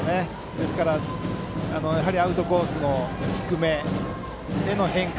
ですからアウトコースの低めへの変化